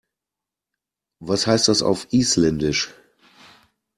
Was heißt das auf Isländisch?